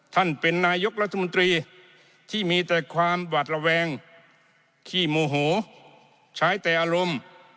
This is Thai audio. ท่านเป็นนายกรัฐมนตรีที่มีแต่ความหวัดระแวงขี้โมโหใช้แต่อารมณ์